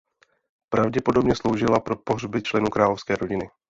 Pravděpodobně sloužila pro pohřby členů královské rodiny.